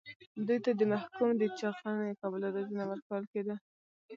دوی ته د محکوم د چخڼي کولو روزنه ورکول کېده.